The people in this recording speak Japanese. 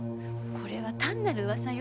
これは単なる噂よ。